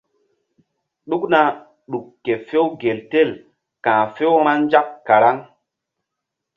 Ɗukna ɗuk ke few gel tel ka̧h few-vba nzak karaŋ.